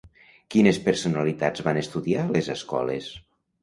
Quines personalitats van estudiar a Les Escoles?